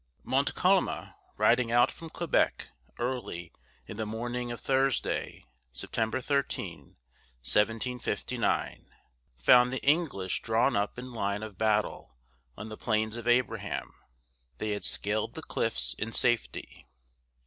Montcalm, riding out from Quebec early in the morning of Thursday, September 13, 1759, found the English drawn up in line of battle on the Plains of Abraham they had scaled the cliffs in safety.